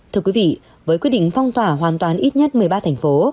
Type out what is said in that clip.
thưa quý vị với quyết định phong tỏa hoàn toàn ít nhất một mươi ba thành phố